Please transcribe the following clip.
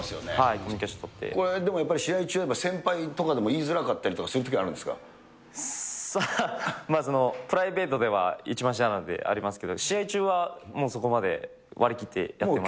コミュニケーシでもやっぱり試合中は、先輩とかでも言いづらかったりとか、まあプライベートでは一番下なのでありますけど、試合中はもうそこまで、割り切ってやってます。